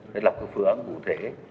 để lập các phương án cụ thể